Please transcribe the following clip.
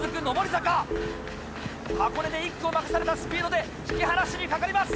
箱根で１区を任されたスピードで引き離しにかかります。